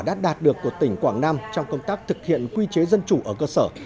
đã đạt được của tỉnh quảng nam trong công tác thực hiện quy chế dân chủ ở cơ sở